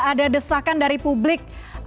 ada desakan dari publik